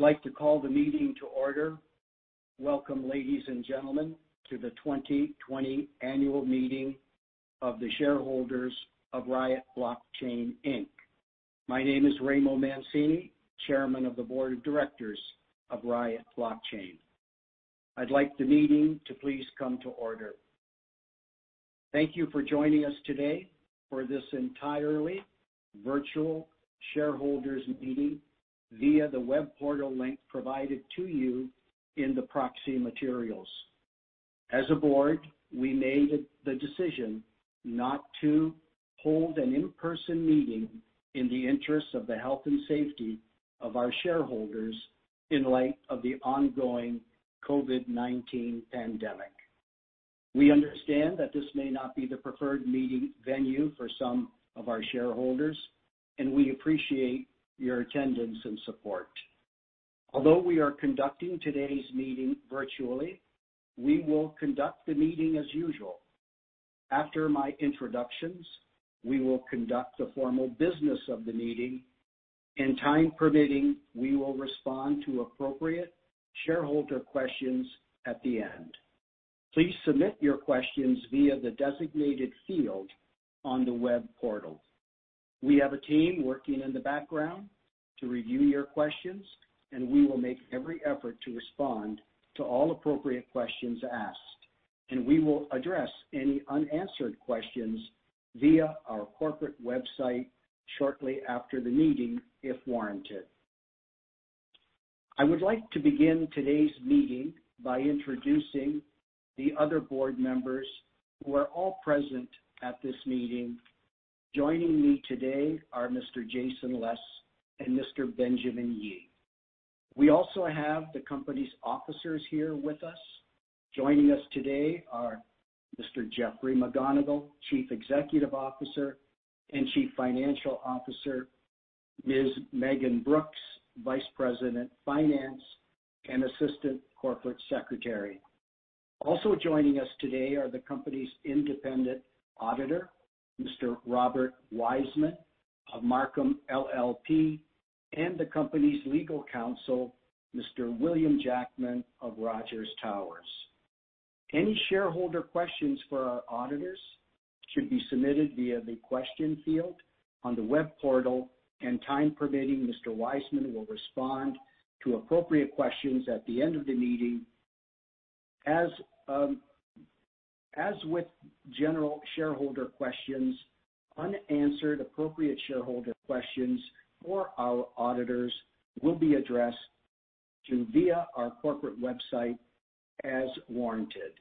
I'd like to call the meeting to order. Welcome, ladies and gentlemen, to the 2020 annual meeting of the shareholders of Riot Blockchain, Inc. My name is Remo Mancini, Chairman of the Board of Directors of Riot Blockchain. I'd like the meeting to please come to order. Thank you for joining us today for this entirely virtual shareholders meeting via the web portal link provided to you in the proxy materials. As a board, we made the decision not to hold an in-person meeting in the interest of the health and safety of our shareholders in light of the ongoing COVID-19 pandemic. We understand that this may not be the preferred meeting venue for some of our shareholders, and we appreciate your attendance and support. Although we are conducting today's meeting virtually, we will conduct the meeting as usual. After my introductions, we will conduct the formal business of the meeting, and time permitting, we will respond to appropriate shareholder questions at the end. Please submit your questions via the designated field on the web portal. We have a team working in the background to review your questions, and we will make every effort to respond to all appropriate questions asked, and we will address any unanswered questions via our corporate website shortly after the meeting if warranted. I would like to begin today's meeting by introducing the other board members who are all present at this meeting. Joining me today are Mr. Jason Les and Mr. Benjamin Yi. We also have the company's officers here with us. Joining us today are Mr. Jeffrey McGonegal, Chief Executive Officer and Chief Financial Officer, Ms. Megan Brooks, Vice President of Finance, and Assistant Corporate Secretary. Also joining us today are the company's independent auditor, Mr. Robert Wiseman of Marcum LLP, and the company's legal counsel, Mr. William Jackman of Rogers Towers. Any shareholder questions for our auditors should be submitted via the question field on the web portal, and time permitting, Mr. Wiseman will respond to appropriate questions at the end of the meeting. As with general shareholder questions, unanswered appropriate shareholder questions for our auditors will be addressed through via our corporate website as warranted.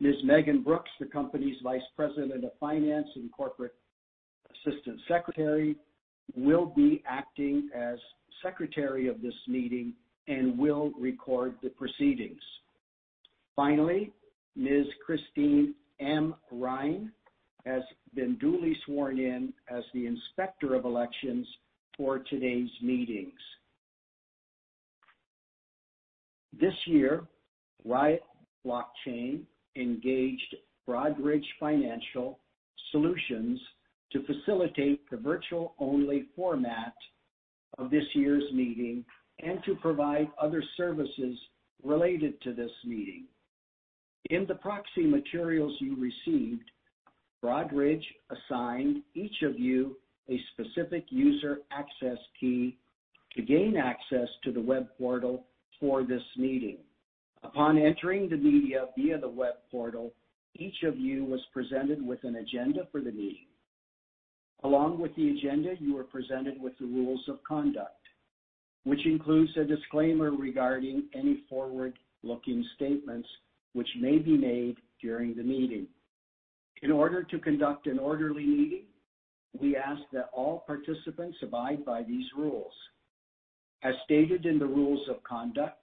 Ms. Megan Brooks, the company's Vice President of Finance and Corporate Assistant Secretary, will be acting as secretary of this meeting and will record the proceedings. Finally, Ms. Christine M. Rhein has been duly sworn in as the Inspector of Elections for today's meetings. This year, Riot Blockchain engaged Broadridge Financial Solutions to facilitate the virtual-only format of this year's meeting and to provide other services related to this meeting. In the proxy materials you received, Broadridge assigned each of you a specific user access key to gain access to the web portal for this meeting. Upon entering the meeting via the web portal, each of you was presented with an agenda for the meeting. Along with the agenda, you were presented with the rules of conduct, which includes a disclaimer regarding any forward-looking statements which may be made during the meeting. In order to conduct an orderly meeting, we ask that all participants abide by these rules. As stated in the rules of conduct,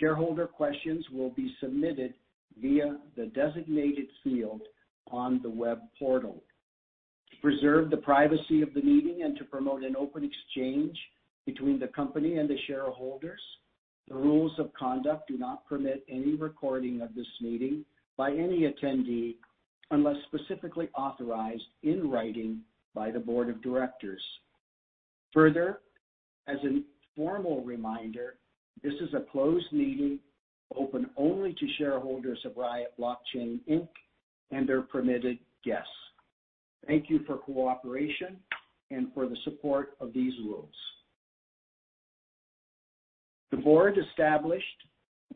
shareholder questions will be submitted via the designated field on the web portal. To preserve the privacy of the meeting and to promote an open exchange between the company and the shareholders, the rules of conduct do not permit any recording of this meeting by any attendee, unless specifically authorized in writing by the board of directors. Further, as a formal reminder, this is a closed meeting open only to shareholders of Riot Blockchain, Inc, and their permitted guests. Thank you for cooperation and for the support of these rules. The board established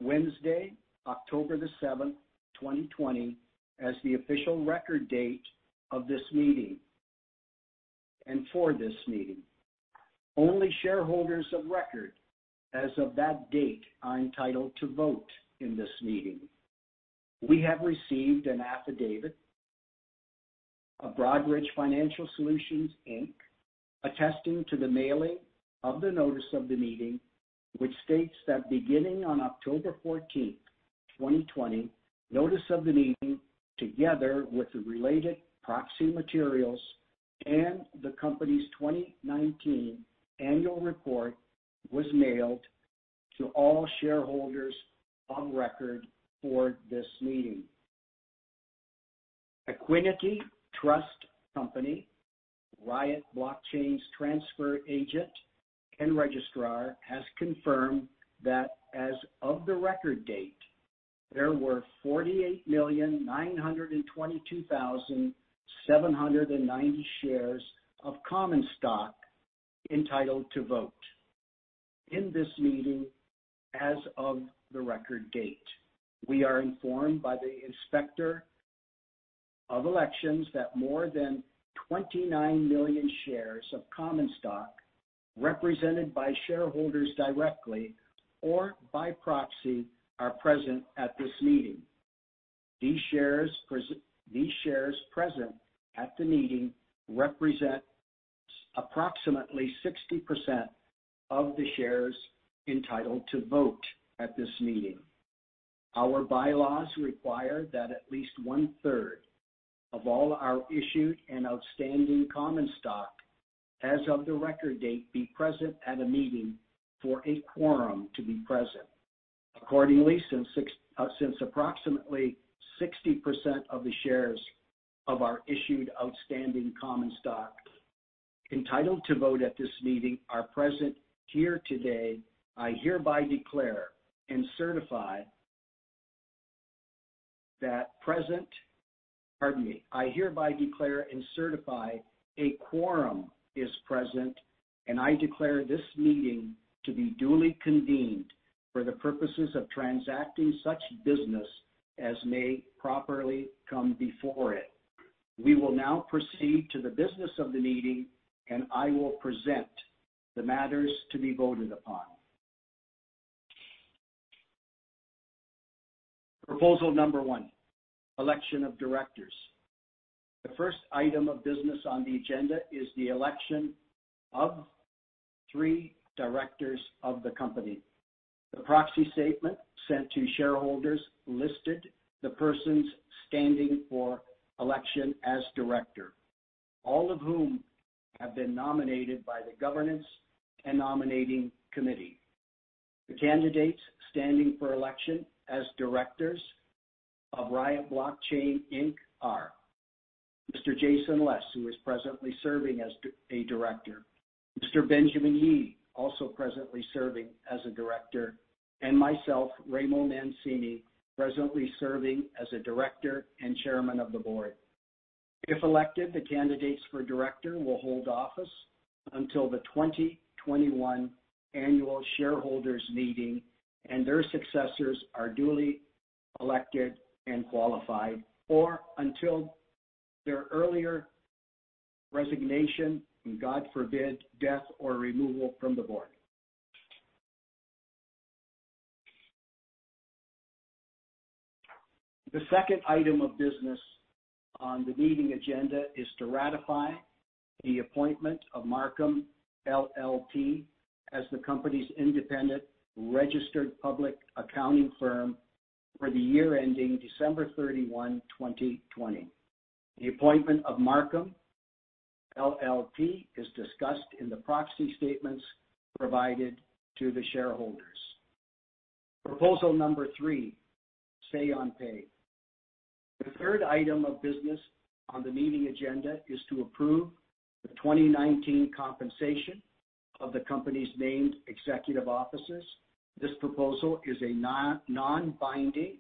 Wednesday, October 7th, 2020, as the official record date of this meeting and for this meeting. Only shareholders of record as of that date are entitled to vote in this meeting. We have received an affidavit of Broadridge Financial Solutions, Inc, attesting to the mailing of the notice of the meeting, which states that beginning on October 14th, 2020, notice of the meeting, together with the related proxy materials and the company's 2019 annual report, was mailed to all shareholders on record for this meeting. Equiniti Trust Company, Riot Blockchain's transfer agent and registrar, has confirmed that as of the record date, there were 48,922,790 shares of common stock entitled to vote. In this meeting, as of the record date, we are informed by the Inspector of Elections that more than 29 million shares of common stock represented by shareholders directly or by proxy are present at this meeting. These shares present at the meeting represents approximately 60% of the shares entitled to vote at this meeting. Our bylaws require that at least 1/3 of all our issued and outstanding common stock as of the record date be present at a meeting for a quorum to be present. Accordingly, since approximately 60% of the shares of our issued outstanding common stock entitled to vote at this meeting are present here today, I hereby declare and certify a quorum is present, and I declare this meeting to be duly convened for the purposes of transacting such business as may properly come before it. We will now proceed to the business of the meeting, and I will present the matters to be voted upon. Proposal number one, election of directors. The first item of business on the agenda is the election of three directors of the company. The proxy statement sent to shareholders listed the persons standing for election as director, all of whom have been nominated by the Governance and Nominating Committee. The candidates standing for election as directors of Riot Blockchain, Inc are Mr. Jason Les, who is presently serving as a director, Mr. Benjamin Yi, also presently serving as a director, and myself, Remo Mancini, presently serving as a director and chairman of the board. If elected, the candidates for director will hold office until the 2021 annual shareholders meeting and their successors are duly elected and qualified, or until their earlier resignation, and God forbid, death or removal from the board. The second item of business on the meeting agenda is to ratify the appointment of Marcum LLP as the company's independent registered public accounting firm for the year ending December 31, 2020. The appointment of Marcum LLP is discussed in the proxy statements provided to the shareholders. Proposal number three, say on pay. The third item of business on the meeting agenda is to approve the 2019 compensation of the company's named executive officers. This proposal is a non-binding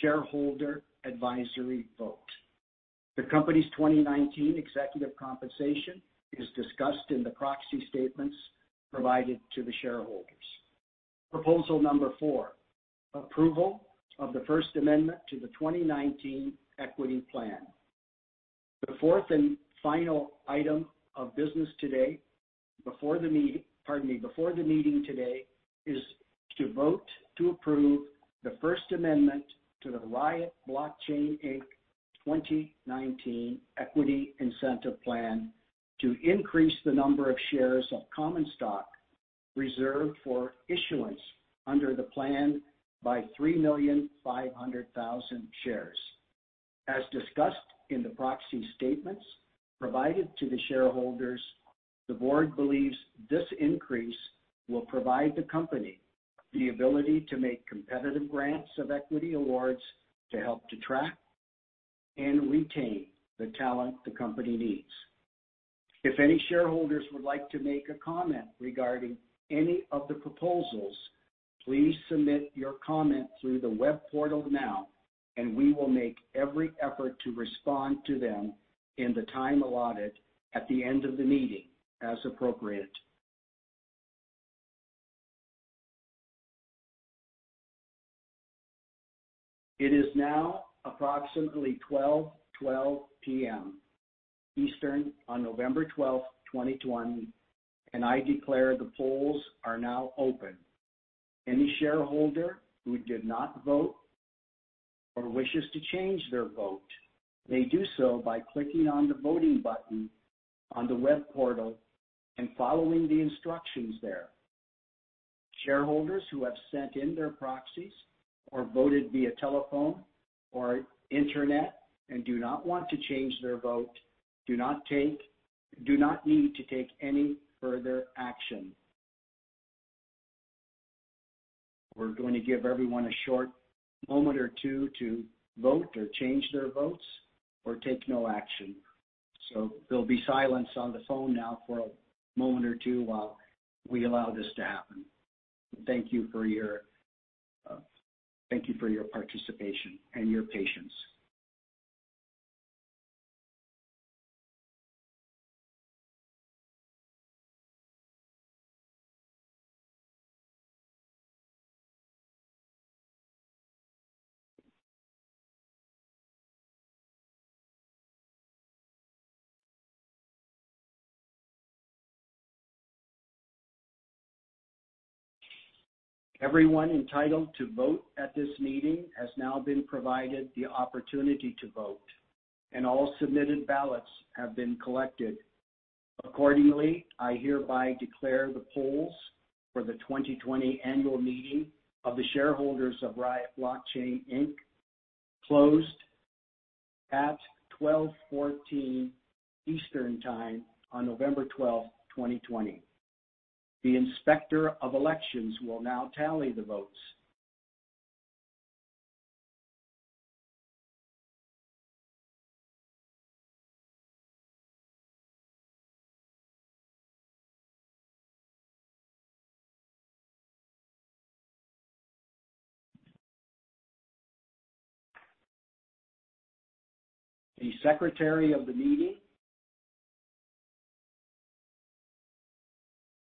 shareholder advisory vote. The company's 2019 executive compensation is discussed in the proxy statements provided to the shareholders. Proposal number four, approval of the first amendment to the 2019 equity plan. The fourth and final item of business before the meeting today is to vote to approve the first amendment to the Riot Blockchain, Inc 2019 Equity Incentive Plan to increase the number of shares of common stock reserved for issuance under the plan by 3,500,000 shares. As discussed in the proxy statements provided to the shareholders, the board believes this increase will provide the company the ability to make competitive grants of equity awards to help to track and retain the talent the company needs. If any shareholders would like to make a comment regarding any of the proposals, please submit your comment through the web portal now, and we will make every effort to respond to them in the time allotted at the end of the meeting as appropriate. It is now approximately 12:12 P.M. Eastern on November 12th, 2021, and I declare the polls are now open. Any shareholder who did not vote or wishes to change their vote may do so by clicking on the voting button on the web portal and following the instructions there. Shareholders who have sent in their proxies or voted via telephone or internet and do not want to change their vote do not need to take any further action. We're going to give everyone a short moment or two to vote or change their votes or take no action. There'll be silence on the phone now for a moment or two while we allow this to happen. Thank you for your participation and your patience. Everyone entitled to vote at this meeting has now been provided the opportunity to vote, and all submitted ballots have been collected. Accordingly, I hereby declare the polls for the 2020 Annual Meeting of the shareholders of Riot Blockchain, Inc closed at 12:14 P.M. Eastern Time on November 12, 2020. The Inspector of Elections will now tally the votes. The secretary of the meeting,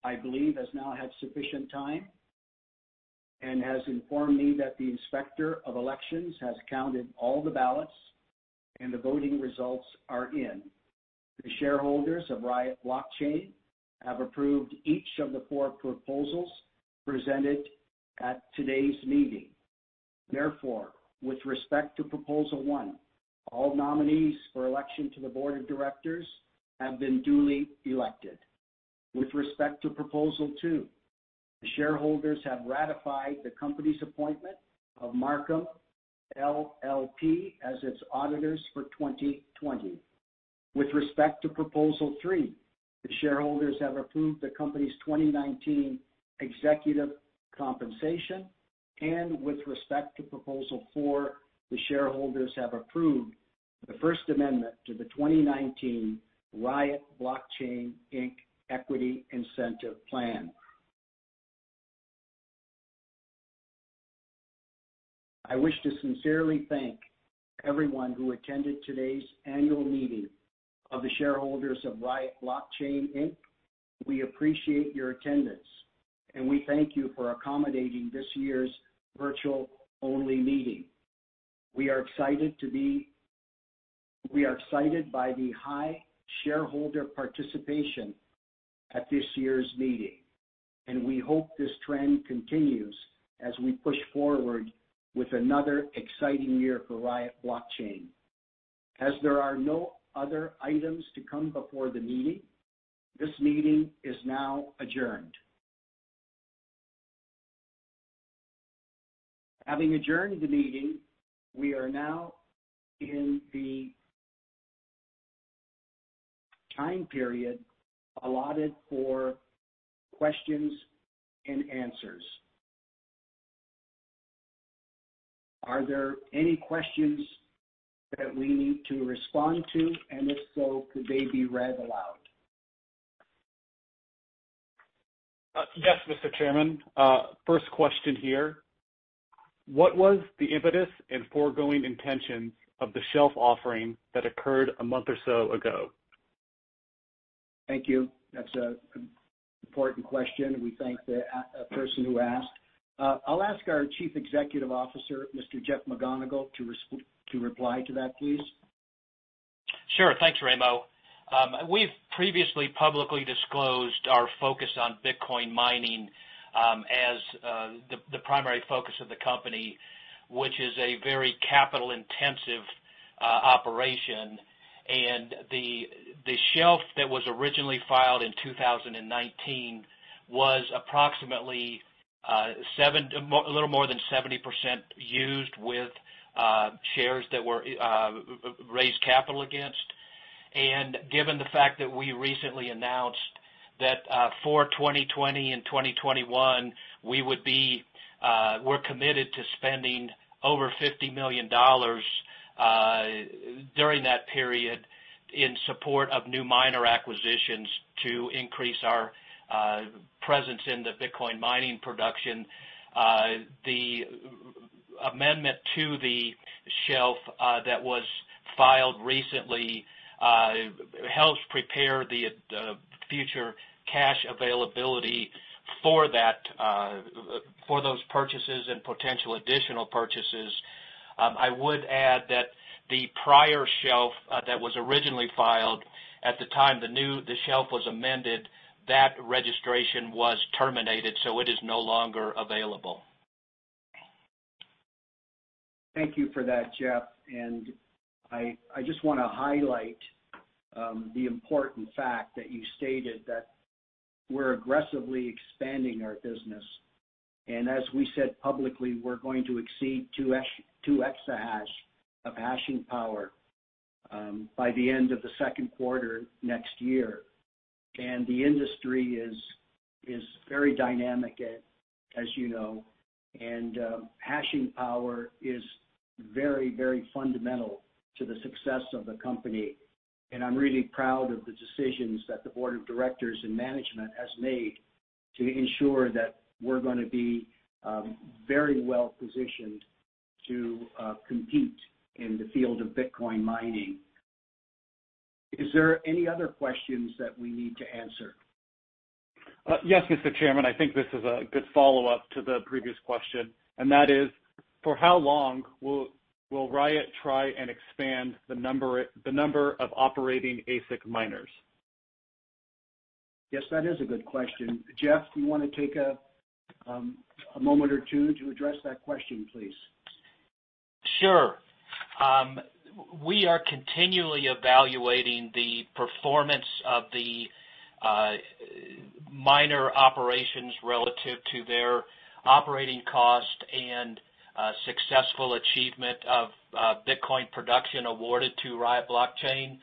I believe, has now had sufficient time and has informed me that the Inspector of Elections has counted all the ballots and the voting results are in. The shareholders of Riot Blockchain have approved each of the four proposals presented at today's meeting. With respect to proposal one, all nominees for election to the board of directors have been duly elected. With respect to proposal two, the shareholders have ratified the company's appointment of Marcum LLP as its auditors for 2020. With respect to proposal three, the shareholders have approved the company's 2019 executive compensation. With respect to proposal four, the shareholders have approved the first amendment to the 2019 Riot Blockchain, Inc Equity Incentive Plan. I wish to sincerely thank everyone who attended today's annual meeting of the shareholders of Riot Blockchain, Inc. We appreciate your attendance, and we thank you for accommodating this year's virtual-only meeting. We are excited by the high shareholder participation at this year's meeting, and we hope this trend continues as we push forward with another exciting year for Riot Blockchain. As there are no other items to come before the meeting, this meeting is now adjourned. Having adjourned the meeting, we are now in the time period allotted for questions and answers. Are there any questions that we need to respond to? If so, could they be read aloud? Yes, Mr. Chairman. First question here. What was the impetus and foregoing intentions of the shelf offering that occurred a month or so ago? Thank you. That's an important question. We thank the person who asked. I'll ask our Chief Executive Officer, Mr. Jeff McGonegal, to reply to that, please. Sure. Thanks, Remo. We've previously publicly disclosed our focus on Bitcoin mining as the primary focus of the company, which is a very capital-intensive operation. The shelf that was originally filed in 2019 was approximately a little more than 70% used with shares that were raised capital against. Given the fact that we recently announced that for 2020 and 2021, we're committed to spending over $50 million during that period in support of new miner acquisitions to increase our presence in the Bitcoin mining production. The amendment to the shelf that was filed recently helps prepare the future cash availability for those purchases and potential additional purchases. I would add that the prior shelf that was originally filed at the time the shelf was amended, that registration was terminated, so it is no longer available. Thank you for that, Jeff. I just want to highlight the important fact that you stated that we're aggressively expanding our business. As we said publicly, we're going to exceed [2 EH/s] of hashing power by the end of the second quarter next year. The industry is very dynamic, as you know, and hashing power is very fundamental to the success of the company. I'm really proud of the decisions that the board of directors and management has made to ensure that we're going to be very well-positioned to compete in the field of Bitcoin mining. Is there any other questions that we need to answer? Yes, Mr. Chairman, I think this is a good follow-up to the previous question, that is, for how long will Riot try and expand the number of operating ASIC miners? Yes, that is a good question. Jeff, do you want to take a moment or two to address that question, please? Sure. We are continually evaluating the performance of the miner operations relative to their operating cost and successful achievement of Bitcoin production awarded to Riot Blockchain.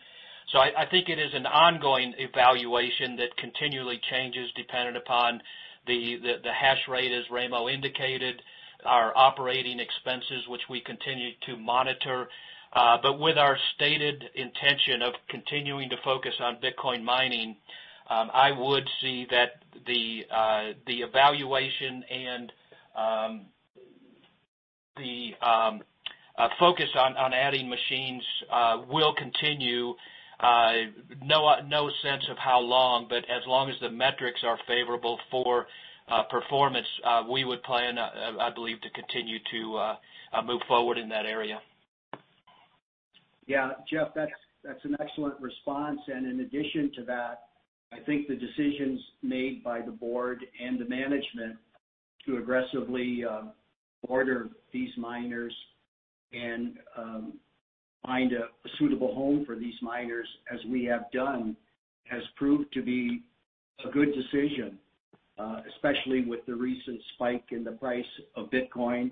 I think it is an ongoing evaluation that continually changes dependent upon the hash rate, as Remo indicated, our operating expenses, which we continue to monitor. With our stated intention of continuing to focus on Bitcoin mining, I would see that the evaluation and the focus on adding machines will continue. No sense of how long, but as long as the metrics are favorable for performance, we would plan, I believe, to continue to move forward in that area. Yeah, Jeff, that's an excellent response. In addition to that, I think the decisions made by the board and the management to aggressively order these miners and find a suitable home for these miners, as we have done, has proved to be a good decision, especially with the recent spike in the price of Bitcoin.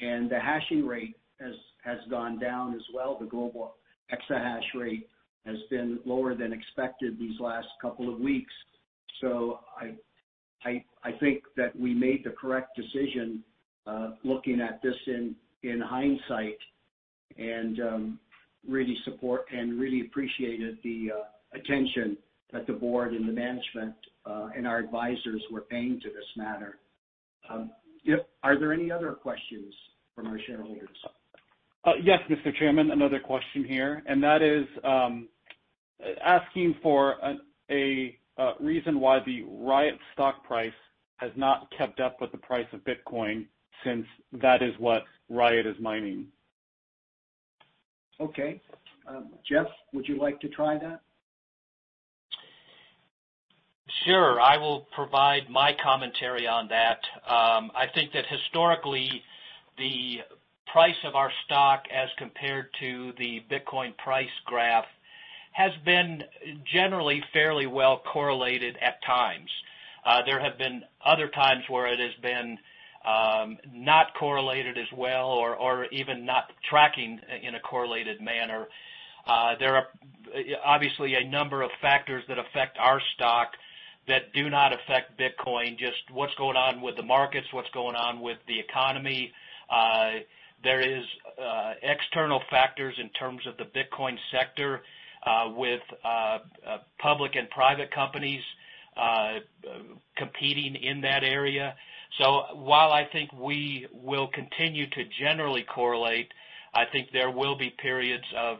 The hash rate has gone down as well. The global exahash rate has been lower than expected these last couple of weeks. I think that we made the correct decision, looking at this in hindsight, and really appreciated the attention that the board and the management, and our advisors were paying to this matter. Are there any other questions from our shareholders? Yes, Mr. Chairman, another question here, and that is asking for a reason why the Riot stock price has not kept up with the price of Bitcoin, since that is what Riot is mining. Okay. Jeff, would you like to try that? Sure. I will provide my commentary on that. I think that historically, the price of our stock as compared to the Bitcoin price graph has been generally fairly well correlated at times. There have been other times where it has been not correlated as well or even not tracking in a correlated manner. There are obviously a number of factors that affect our stock that do not affect Bitcoin, just what's going on with the markets, what's going on with the economy. There is external factors in terms of the Bitcoin sector with public and private companies competing in that area. While I think we will continue to generally correlate, I think there will be periods of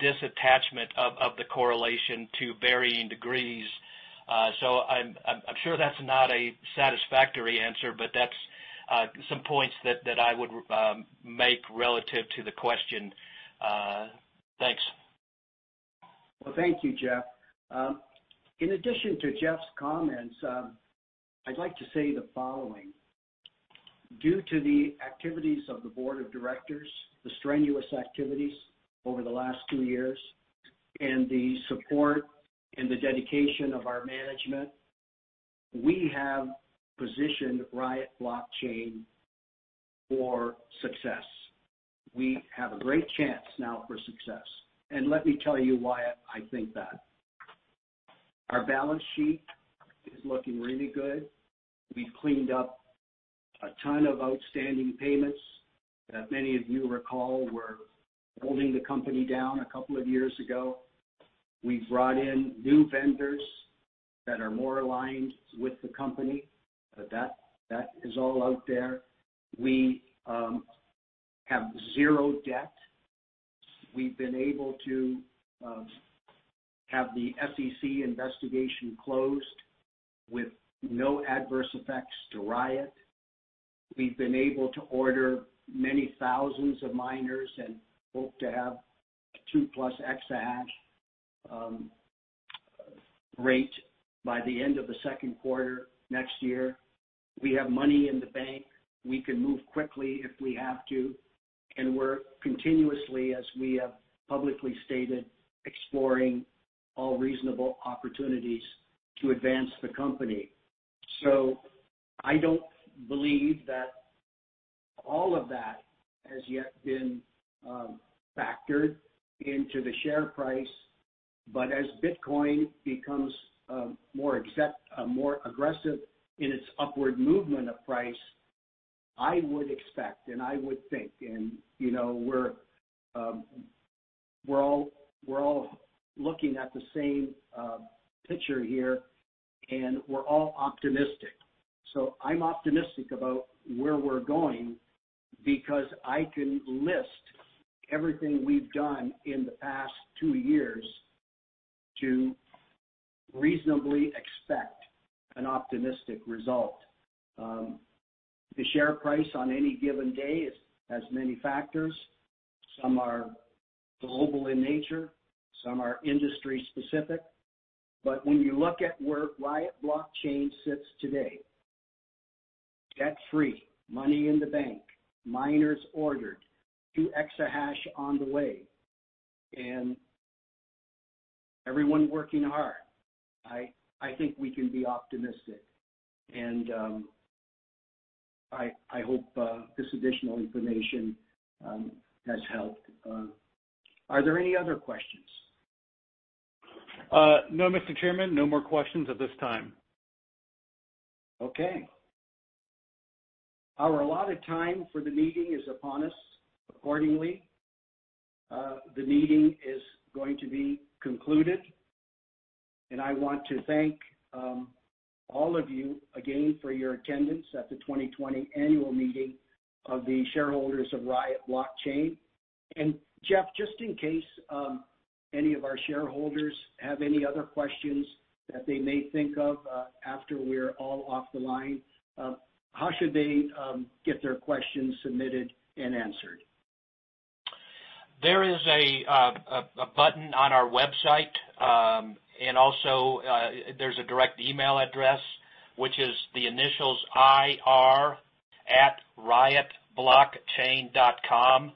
disattachment of the correlation to varying degrees. I'm sure that's not a satisfactory answer, but that's some points that I would make relative to the question. Thanks. Well, thank you, Jeff. In addition to Jeff's comments, I'd like to say the following. Due to the activities of the board of directors, the strenuous activities over the last two years, and the support and the dedication of our management, we have positioned Riot Blockchain for success. We have a great chance now for success, and let me tell you why I think that. Our balance sheet is looking really good. We've cleaned up a ton of outstanding payments that many of you recall were holding the company down a couple of years ago. We've brought in new vendors that are more aligned with the company. That is all out there. We have zero debt. We've been able to have the SEC investigation closed with no adverse effects to Riot. We've been able to order many thousands of miners and hope to have [2+ EH/s] rate by the end of the second quarter next year. We have money in the bank. We can move quickly if we have to, and we're continuously, as we have publicly stated, exploring all reasonable opportunities to advance the company. I don't believe that all of that has yet been factored into the share price. As Bitcoin becomes more aggressive in its upward movement of price, I would expect and I would think, and we're all looking at the same picture here, and we're all optimistic. I'm optimistic about where we're going because I can list everything we've done in the past two years to reasonably expect an optimistic result. The share price on any given day has many factors. Some are global in nature, some are industry-specific. When you look at where Riot Blockchain sits today, debt-free, money in the bank, miners ordered, [2 EH/s] on the way, and everyone working hard, I think we can be optimistic. I hope this additional information has helped. Are there any other questions? No, Mr. Chairman, no more questions at this time. Okay. Our allotted time for the meeting is upon us. Accordingly, the meeting is going to be concluded, and I want to thank all of you again for your attendance at the 2020 annual meeting of the shareholders of Riot Blockchain. Jeff, just in case any of our shareholders have any other questions that they may think of after we're all off the line, how should they get their questions submitted and answered? There is a button on our website, also, there's a direct email address, which is the initials ir@riotblockchain.com,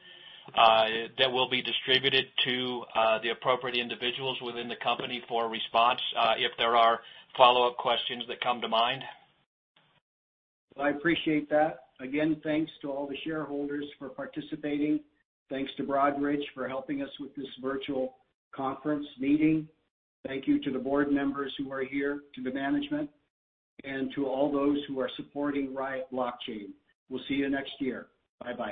that will be distributed to the appropriate individuals within the company for a response if there are follow-up questions that come to mind. I appreciate that. Again, thanks to all the shareholders for participating. Thanks to Broadridge for helping us with this virtual conference meeting. Thank you to the board members who are here, to the management, and to all those who are supporting Riot Blockchain. We'll see you next year. Bye-bye